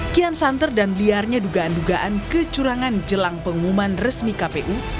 kian santer dan liarnya dugaan dugaan kecurangan jelang pengumuman resmi kpu